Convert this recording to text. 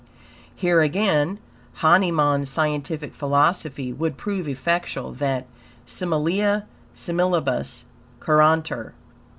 Here again Hahnemann's scientific philosophy would prove effectual, that "Similia similibus curantur."